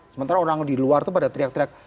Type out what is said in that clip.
sementara orang di luar itu pada teriak teriak